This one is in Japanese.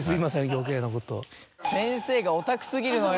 余計なことを。